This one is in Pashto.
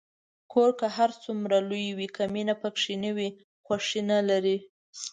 کور که هر څومره لوی وي، که مینه پکې نه وي، خوښي نلري.